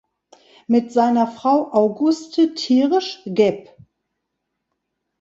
Mit seiner Frau Auguste Thiersch geb.